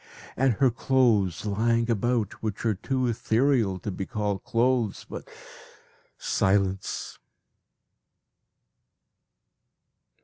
And her clothes lying about which are too ethereal to be called clothes but silence!